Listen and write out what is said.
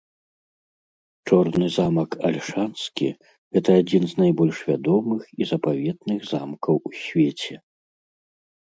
Чорны замак Альшанскі - гэта адзін з найбольш вядомых і запаветных замкаў у свеце.